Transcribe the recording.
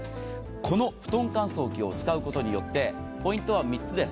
この布団乾燥機を使うことによってポイントは３つです。